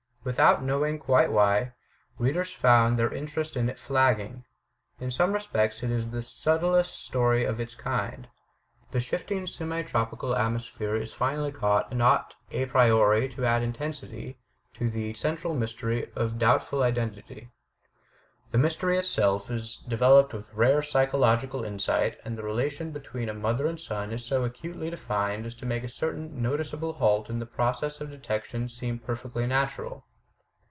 Without knowing quite why, readers found their interest in it flagging. In some respects it is the subtlest story of its kind. The shifting semi tropical atmosphere is finely caught and ought a priori to add intensity to the 312 THE TECHNIQUE OF THE MYSTERY STORY central mystery of doubtful identity. The mystery itself is developed with rare psychological insight, and the relation between a mother and son is so acutely defined as to make a certain noticeable halt in the process of detection seem perfectly natiural.